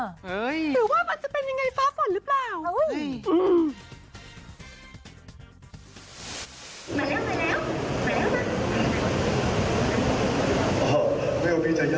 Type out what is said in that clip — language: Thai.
หรือว่ามันจะเป็นยังไงฟ้าฝนหรือเปล่า